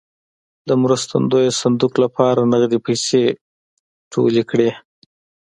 د مرستندویه صندوق لپاره نغدې پیسې ټولې کړې.